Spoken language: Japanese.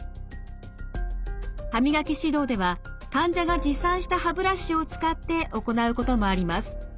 歯磨き指導では患者が持参した歯ブラシを使って行うこともあります。